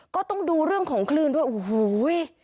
ก็ต้องดูเรื่องของคลื่นด้วยโอ้โห